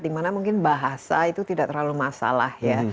di mana mungkin bahasa itu tidak terlalu masalah ya